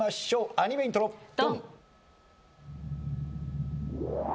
アニメイントロドン！